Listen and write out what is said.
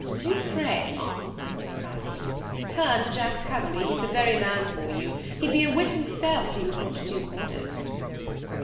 "Do, pray, Ma'am," cried he, "turn to Jack Coverley; he's the very man for you; he'd be a wit himself if he was not too modest."